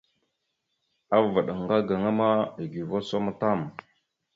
Avaɗ ŋga gaŋa ma eguvoróosom tam.